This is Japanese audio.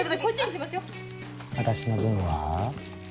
私の分は？